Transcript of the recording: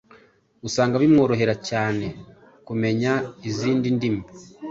usanga bimworohera cyane kumenya izindi ndimi